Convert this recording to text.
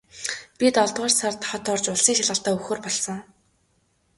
Би долоодугаар сард хот орж улсын шалгалтаа өгөхөөр болсон.